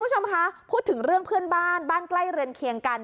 คุณผู้ชมคะพูดถึงเรื่องเพื่อนบ้านบ้านใกล้เรือนเคียงกัน